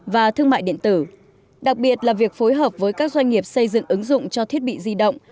và thương mại điện tử đặc biệt là việc phối hợp với các doanh nghiệp xây dựng ứng dụng cho thiết bị di động